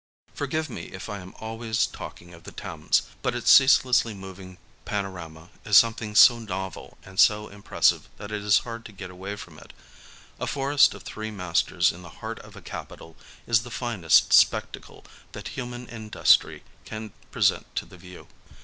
Forgive me if I am always talking of the Thames, but its ceaselessly moving panorama is something so novel and so impressive, that it is hard to get away from it. A forest of three masters in the heart of a capital is the finest spectacle that human industry can present to the view.